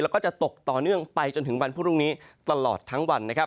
แล้วก็จะตกต่อเนื่องไปจนถึงวันพรุ่งนี้ตลอดทั้งวันนะครับ